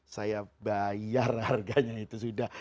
saya bayar harganya itu sudah